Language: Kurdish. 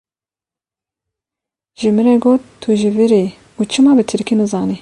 Ji min re got tu ji vir î û çima bi tirkî nizanî.